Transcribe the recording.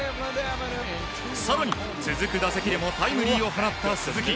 更に、続く打席でもタイムリーを放った鈴木。